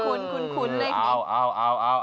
เอ๊คุ้นเลยครับ